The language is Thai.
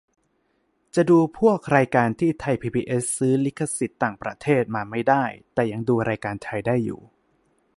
จะดูพวกรายการที่ไทยพีบีเอสซื้อลิขสิทธิ์ต่างประเทศมาไม่ได้ แต่ยังดูรายการไทยได้อยู่